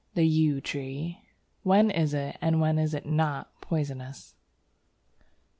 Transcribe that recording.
The Yew tree, when is it, and when is it not poisonous?